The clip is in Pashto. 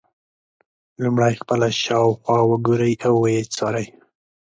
لومړی خپله شاوخوا وګورئ او ویې څارئ.